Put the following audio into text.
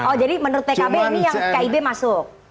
oh jadi menurut pkb ini yang kib masuk